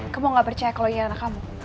kamu gak percaya kalau iya anak kamu